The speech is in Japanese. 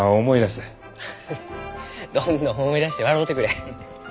フフどんどん思い出して笑うてくれ。